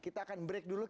kita akan break dulu